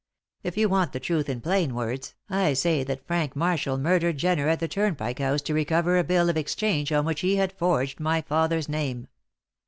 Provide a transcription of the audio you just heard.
If you want the truth in plain words, I say that Frank Marshall murdered Jenner at the Turnpike House to recover a bill of exchange on which he had forged my father's name."